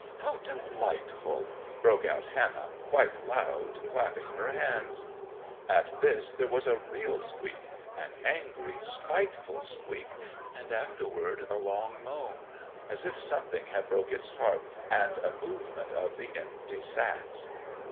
How delightful!" broke out Hannah, quite loud, clapping her hands. 'At this there was a real squeak—an angry, spiteful squeak, and afterward a long moan, as if something had broke its heart, and a movement of the empty sacks.